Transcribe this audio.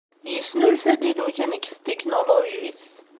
Yesnulfa-d ilugan deg tetiknulujit.